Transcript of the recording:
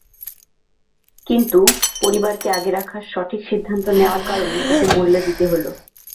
কিন্তু পরিবারকে আগে রাখার সঠিক সিদ্ধান্ত নেওয়ার কারণে ওকে মূল্য দিতে হলো।